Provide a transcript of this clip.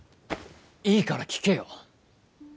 いいから聞けよ！